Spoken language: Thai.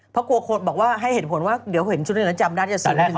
เพราะกวกฎบอกให้เห็นผลว่าเดี๋ยวเห็ชุธรรมดาลที่จะสิ้นถึงตัวเอง